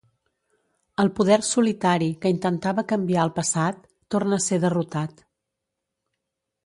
El Poder Solitari, que intentava canviar el passat, torna a ser derrotat.